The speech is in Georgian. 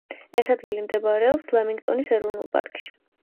ეს ადგილი მდებარეობს ლამინგტონის ეროვნული პარკში.